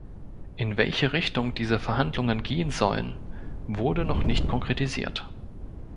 In welche Richtung diese Verhandlungen gehen sollen, wurde noch nicht konkretisiert.